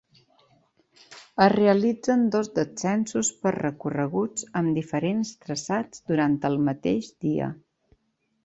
Es realitzen dos descensos per recorreguts amb diferents traçats durant el mateix dia.